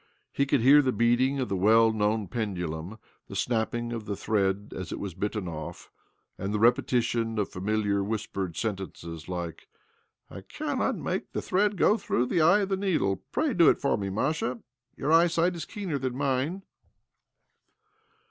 He could hear the beating of the well known pendulum, the snapping of the thread as it was bitten off, and the repetition of familiar whispered sen tences like " I cannot make the thread go through the eye of the needle. Pray do 288 OBLOMOV it for me, Masha — your eyesight is keei than mine."